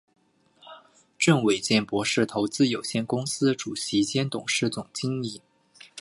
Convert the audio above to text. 郑维健博士投资有限公司主席兼董事总经理。